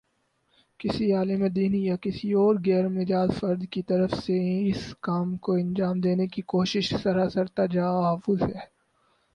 کسی عالمِ دین یا کسی اور غیر مجاز فرد کی طرف سے اس کام کو انجام دینے کی کوشش سراسر تجاوز ہے